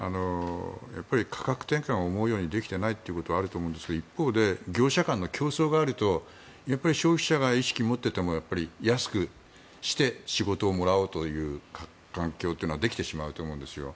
価格転嫁が思うようにできていないというところはあると思うんですが一方で業者間の競争があると消費者が意識があっても安くして仕事をもらおうという環境というのはできてしまうと思うんですよ。